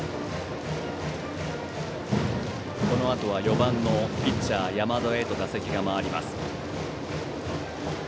このあとは４番ピッチャー、山田へと打席が回ります。